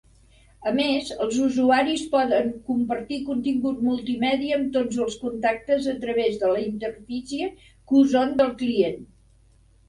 A més, els usuaris poden compartir contingut multimèdia amb tots els contactes a través de la interfície Qzone del client.